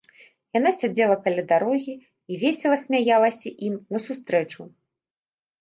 Яна сядзела каля дарогі і весела смяялася ім насустрэчу.